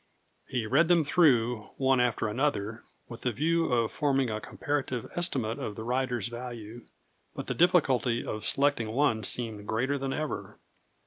He read them through, one after another, with the view of forming a comparative estimate of the writer's value, but the difficulty of selecting one seemed greater than ever.